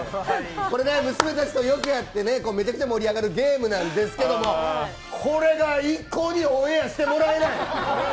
これ、娘たちとよくやってめちゃめちゃ盛り上げるゲームなんですけどこれが一向にオンエアしてもらえない。